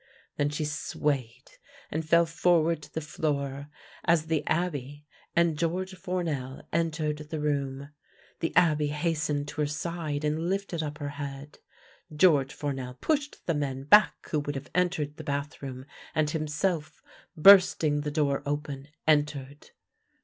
Then she swayed and fell forward to the floor as the Abbe and George Fournel entered the room. The Abbe hastened to her side and lifted up her head. George Fournel pushed the men back who would have entered the bathroom, and himself, bursting the door open, entered.